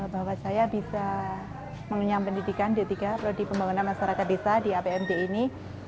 bahwa saya bisa mengunyai pendidikan d tiga lodi pembangunan masyarakat desa di apmd ini